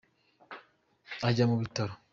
ajya mu bitaro.